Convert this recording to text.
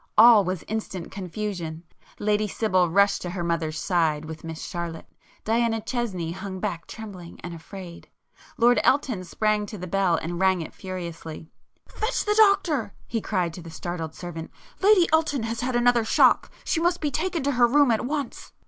All was instant confusion. Lady Sibyl rushed to her mother's side, with Miss Charlotte,—Diana Chesney hung back trembling and afraid,—Lord Elton sprang to the bell and rang it furiously. "Fetch the doctor!" he cried to the startled servant—"Lady Elton has had another shock! She must be taken to her room at once!"